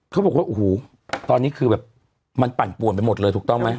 เขาบอกว่าโอ้โหตอนนี้คือแบบมันปั่นป่วนไปหมดเลยถูกต้องไหม